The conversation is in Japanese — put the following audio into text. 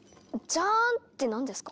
「ジャーン」って何ですか？